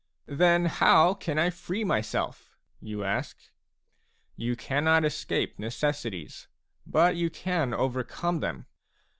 "Then how can I free myself?" you ask. You cannot escape necessities, but you can overcome them.